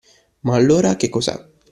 Ma allora, che cos’è?